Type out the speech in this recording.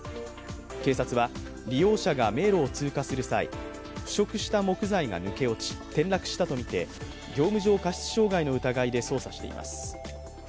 警察は、利用者が迷路を通過する際腐食した木材が抜け落ち、転落したとみて業務上過失傷害の疑いで捜査しています。